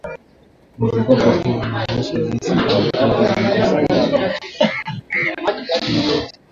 Mzunguko huu unaoonyesha jinsi maambukizi ya virusi vya homa ya Rift Valley yanavyofanyika